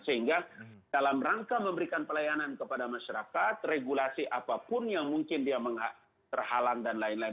sehingga dalam rangka memberikan pelayanan kepada masyarakat regulasi apapun yang mungkin dia terhalang dan lain lain